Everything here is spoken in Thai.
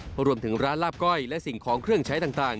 เพราะรวมถึงร้านลาบก้อยและสิ่งของเครื่องใช้ต่าง